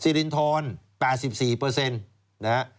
ซิรินทร๘๔เปอร์เซ็นต์นะ